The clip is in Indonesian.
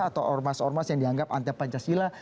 atau ormas ormas yang dianggap anti pancasila